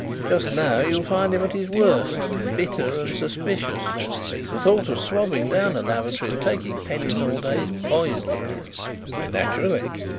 Just now you'll find him at his worst bitter and suspicious. The thought of swabbing down a lavatory and taking pennies all day is poisoning him." "Naturally.